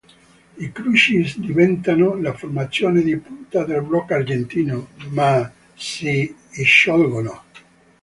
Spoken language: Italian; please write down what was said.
I Crucis diventano la formazione di punta del rock argentino, ma si sciolgono.